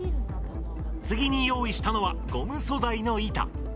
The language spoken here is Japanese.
次に用意したのはゴム素材の板。